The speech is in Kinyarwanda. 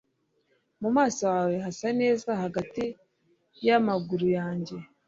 mu maso hawe hasa neza hagati y'amaguru yanjye